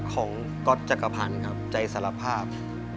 ของก๊อตจักรพรรณครับใจสารภาพ